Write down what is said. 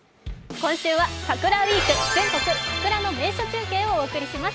今週は桜ウィーク、全国桜の名所中継をお送りします。